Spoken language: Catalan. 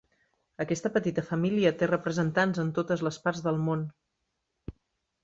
Aquesta petita família té representants en totes les parts del món.